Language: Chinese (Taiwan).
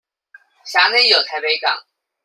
轄內有臺北港